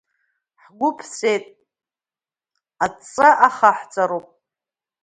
Ҳгәы ԥҵәеит, аҵәҵәа ахаҳҵароуп.